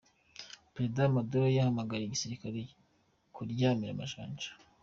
Prezida Maduro yahamagariye igisirikare kuryamira amajanja.